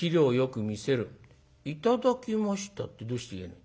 『頂きました』ってどうして言えねえんだ。